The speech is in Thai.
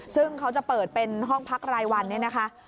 ซึ่งเขาจะเปิดเป็นห้องพักรายวันเนี่ยนะคะ